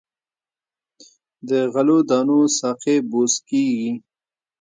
د غلو دانو ساقې بوس کیږي.